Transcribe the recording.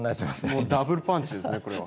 もうダブルパンチですねこれは。